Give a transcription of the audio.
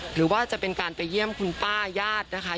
หรือว่าจะเป็นการไปเยี่ยมคุณป้าญาตินะคะ